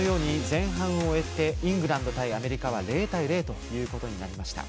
前半を終えてイングランド対アメリカは０対０となりました。